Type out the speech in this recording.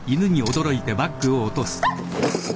あっ！